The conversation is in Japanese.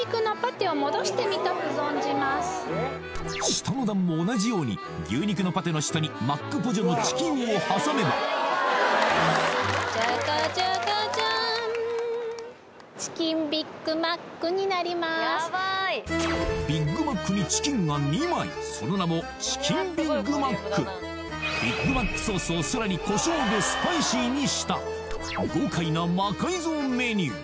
下の段も同じように牛肉のパティの下にマックポジョのチキンを挟めばジャカジャカジャンビッグマックにチキンが２枚その名もビッグマックソースをさらにコショウでスパイシーにした豪快な魔改造メニュー